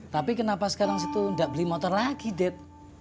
tapi kenapa sekarang sih tuh nggak beli motor lagi dad